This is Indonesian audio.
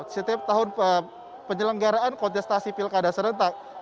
setiap tahun penyelenggaraan kontestasi pilkada serentak